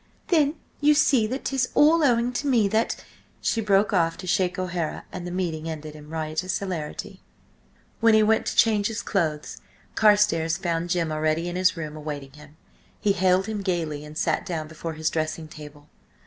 "Then you see that 'tis all owing to me that—" She broke off to shake O'Hara, and the meeting ended in riotous hilarity. When he went to change his clothes, Carstares found Jim already in his room awaiting him. He hailed him gaily, and sat down before his dressing table.